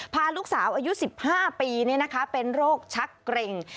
พาลูกสาวอายุ๑๕ปีเป็นโรคชักเกร็ง